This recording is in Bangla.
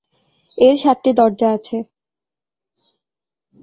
এর সাতটি দরজা আছে।